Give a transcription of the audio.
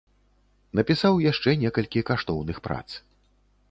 Напісаў яшчэ некалькі каштоўных прац.